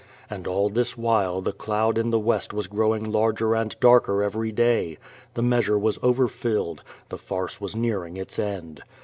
And all this while the cloud in the west was growing larger and darker every day. The measure was overfilled. The farce was nearing its end.